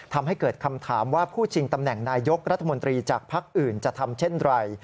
ทำให้เกิดคำถามว่าผู้ชิงตำแหน่งนายยกรัฐมนตรีจากภักดิ์อื่นจะทำเช่นไร